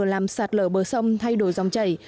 làm sạt lở bờ sông thay đổi dòng chảy